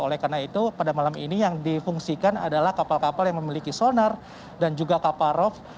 oleh karena itu pada malam ini yang difungsikan adalah kapal kapal yang memiliki sonar dan juga kapal rov